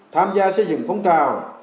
tham gia xây dựng phong trào